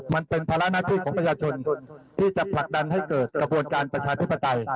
มันเป็นภาระหน้าที่ของประชาชนที่จะผลักดันให้เกิดกระบวนการประชาธิปไตย